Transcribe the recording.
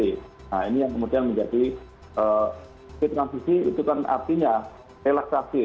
nah ini yang kemudian menjadi transisi itu kan artinya relaksasi